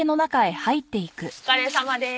お疲れさまでーす。